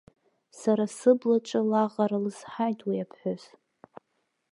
Сара сыблаҿы лаҟара лызҳаит уи аԥҳәыс.